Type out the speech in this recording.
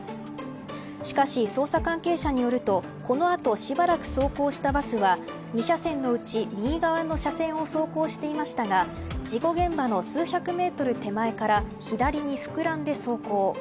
しかし、捜査関係者によるとこの後しばらく走行したバスは２車線のうち右側の車線を走行していましたが事故現場の数百メートル手前から左に膨らんで走行。